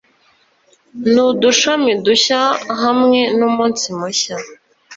Nudushami dushya hamwe numunsi mushya